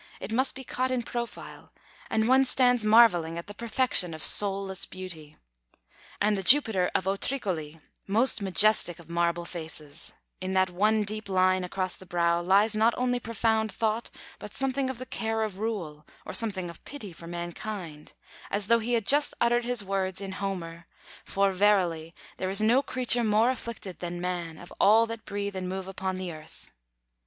It must be caught in profile, and one stands marvelling at the perfection of soulless beauty. And the Jupiter of Otricoli, most majestic of marble faces; in that one deep line across the brow lies not only profound thought, but something of the care of rule, or something of pity for mankind; as though he had just uttered his words in Homer: "For verily there is no creature more afflicted than man, of all that breathe and move upon the earth."